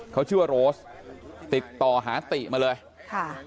เขาชื่อว่าโรสติดต่อหาติมาเลยค่ะ